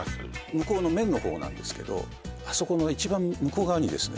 向こうの麺の方なんですけどあそこの一番向こう側にですね